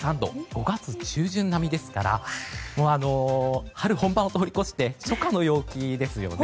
５月中旬並みですから春本番を通り越して初夏の陽気ですよね。